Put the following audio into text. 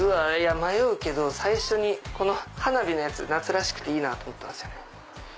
迷うけど最初にこの花火のやつ夏らしくていいなと思ったんです。